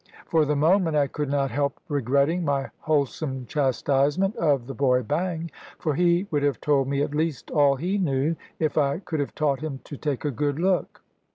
For the moment, I could not help regretting my wholesome chastisement of the boy Bang; for he would have told me at least all he knew, if I could have taught him to take a good look.